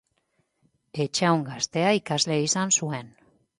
Etxahun gaztea ikasle izan zuen.